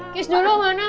kiss dulu mana